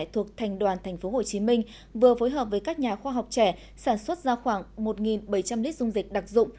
thuộc thành đoàn tp hcm vừa phối hợp với các nhà khoa học trẻ sản xuất ra khoảng một bảy trăm linh lít dung dịch đặc dụng